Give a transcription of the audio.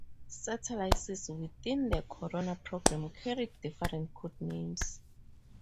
Satellites within the Corona program carried different code names.